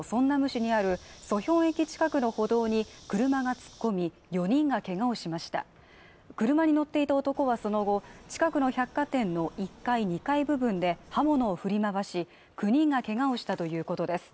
市にあるソヒョン駅近くの歩道に車が突っ込み４人がけがをしました車に乗っていた男はその後近くの百貨店の１階２階部分で刃物を振り回し９人がけがをしたということです